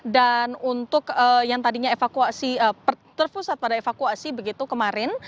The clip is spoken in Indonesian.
dan untuk yang tadinya terpusat pada evakuasi begitu kemarin